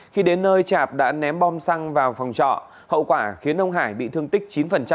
khi đến nơi chạp đã ném bom xăng vào phòng trọ hậu quả khiến ông hải bị thương tích chín